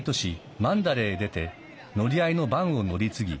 マンダレーへ出て乗り合いのバンを乗り継ぎ